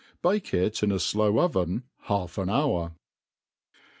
Bake it in a flow oveq half an hour.